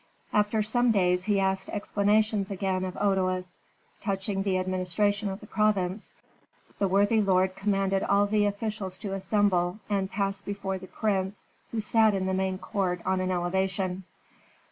After some days he asked explanations again of Otoes touching the administration of the province. The worthy lord commanded all the officials to assemble and pass before the prince, who sat in the main court on an elevation.